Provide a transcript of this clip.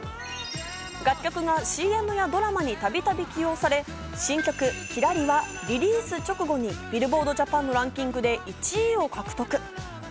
楽曲がＣＭやドラマにたびたび起用され、新曲『きらり』はリリース直後にビルボードジャパンのランキングで１位を獲得。